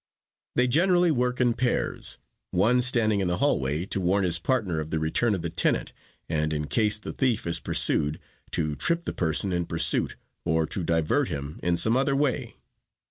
They generally work in pairs; one standing in the hallway to warn his partner of the return of the tenant, and, in case the thief is pursued, to trip the person in pursuit or to divert him in some other way.